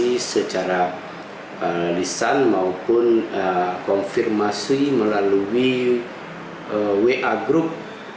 konfirmasi secara lisan maupun konfirmasi melalui wa group